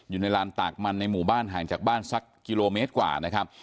ลานตากมันในหมู่บ้านห่างจากบ้านสักกิโลเมตรกว่านะครับ